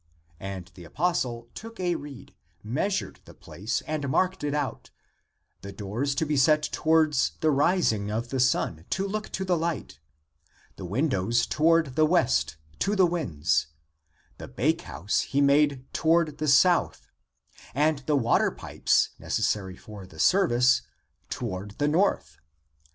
And the Apostle took a reed, measured the place, and marked it out; the doors to be set towards the rising of the sun, to look to the light, the windows toward the west, to the winds; the bakehouse he made toward the south, and the water pipes neces 240 THE APOCRYPHAL ACTS sary for the service, toward the north.